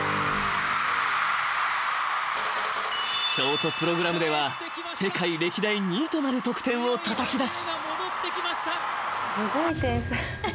［ショートプログラムでは世界歴代２位となる得点をたたきだし］